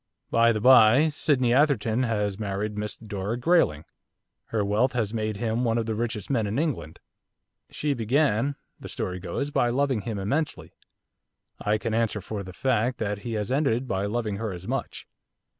By the bye, Sydney Atherton has married Miss Dora Grayling. Her wealth has made him one of the richest men in England. She began, the story goes, by loving him immensely; I can answer for the fact that he has ended by loving her as much.